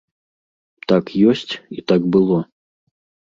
Так ёсць і так было.